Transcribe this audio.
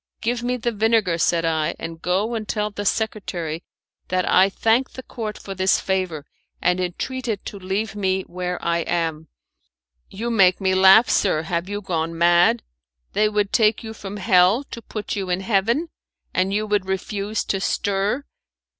"Give me the vinegar," said I, "and go and tell the secretary that I thank the Court for this favour, and entreat it to leave me where I am." "You make me laugh, sir. Have you gone mad? They would take you from hell to put you in heaven, and you would refuse to stir?